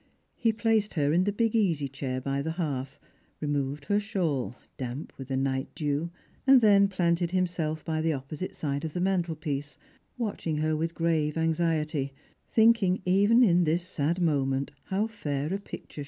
He placed her in the big^easy cliair by the hearth, removed her shawl, damp with the night dew, and then planted 336 Strangers and Pilgrims. himself by the opposite side of the mantelpiece, watching her with grave anxiety, thinking even in this sad moment how fair a picture si.!